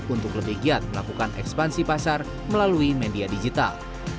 untuk lebih giat melakukan ekspansi pasar melalui media digital